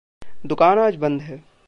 दुकान आज बंद है।